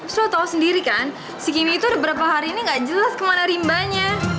terus lo tau sendiri kan si kimi tuh udah berapa hari ini nggak jelas kemana rimbanya